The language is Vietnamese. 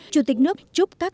chủ tịch nước